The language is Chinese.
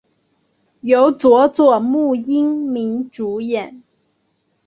由佐佐木英明主演。